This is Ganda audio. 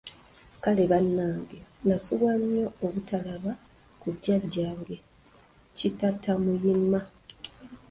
Kale bannange nasubwa nnyo obutalaba ku Jjajjange Kitattamuyima!